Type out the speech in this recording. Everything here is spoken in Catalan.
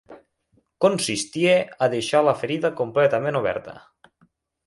Consistia a deixar la ferida completament oberta